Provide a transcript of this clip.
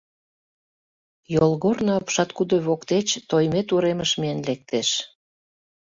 Йолгорно апшаткудо воктеч Тоймет уремыш миен лектеш.